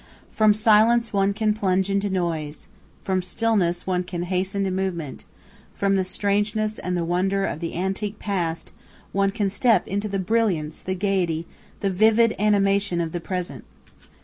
From silence one can plunge into noise, from stillness one can hasten to movement, from the strangeness and the wonder of the antique past one can step into the brilliance, the gaiety, the vivid animation of the present.